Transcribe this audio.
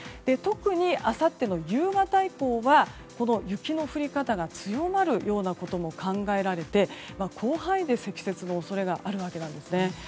特にあさっての夕方以降は雪の降り方が強まるようなことも考えられて広範囲で積雪の恐れがあるわけなんです。